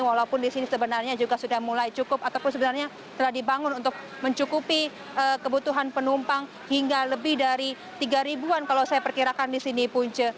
walaupun di sini sebenarnya juga sudah mulai cukup ataupun sebenarnya telah dibangun untuk mencukupi kebutuhan penumpang hingga lebih dari tiga an kalau saya perkirakan di sini punca